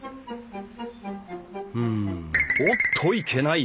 うんおっといけない。